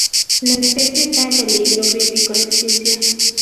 La especie está en peligro crítico de extinción.